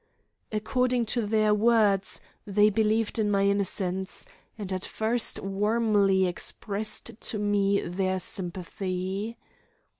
According to their words, they believed in my innocence, and at first warmly expressed to me their sympathy.